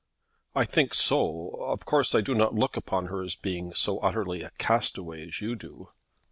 "I think so. Of course I do not look upon her as being so utterly a castaway as you do."